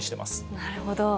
なるほど。